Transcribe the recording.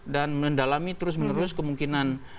dan mendalami terus menerus kemungkinan